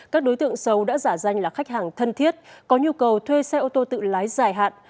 các đối tượng xấu đã giả danh là khách hàng thân thiết có nhu cầu thuê xe ô tô tự lái dài hạn